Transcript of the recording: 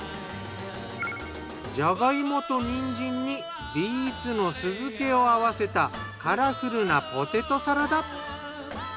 じゃがいもとにんじんにビーツの酢漬けを合わせたカラフルなポテトサラダ。